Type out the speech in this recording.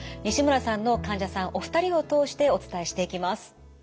西村さんの患者さんお二人を通してお伝えしていきます。